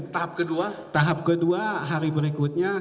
tahap kedua hari berikutnya